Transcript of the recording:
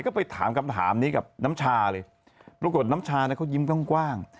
ก็ไปถามคำถามนี้กับน้ำชาเลยปรากฏน้ำชาเนี่ยเขายิ้มกว้าง